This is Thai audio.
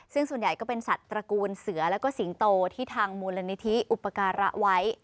ซึ่งส่วนใหญ่ก็เป็นสัตว์ตระกูลเสือแล้วก็สิงโตที่ทางมูลนิธิอุปการะไว้